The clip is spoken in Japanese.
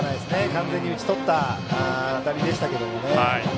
完全に打ち取った当たりでしたが。